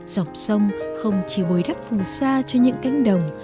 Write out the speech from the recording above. dọc sông không chỉ bồi đắp phù sa cho những cánh đồng